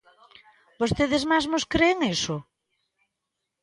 ¿Votedes mesmos cren iso?